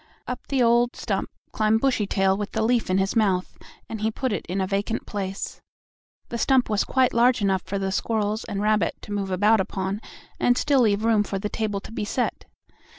Up the old stump climbed Bushytail with the leaf in his mouth, and he put it in a vacant place. The stump was quite large enough for the squirrels and rabbit to move about upon and still leave room for the table to be set.